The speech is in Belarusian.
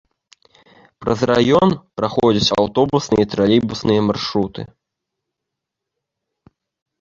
Праз раён праходзяць аўтобусныя і тралейбусныя маршруты.